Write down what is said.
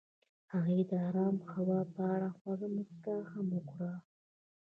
هغې د آرام هوا په اړه خوږه موسکا هم وکړه.